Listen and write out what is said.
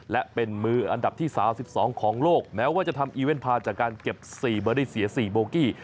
และเป็นมืออันดับที่สาวสิบสองของโลกแม้ว่าจะทำอีเวนท์พาจากการเก็บสี่เบอร์ดี้เสียสี่โบกี้